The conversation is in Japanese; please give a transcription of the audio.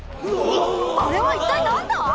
あれは一体何だ！？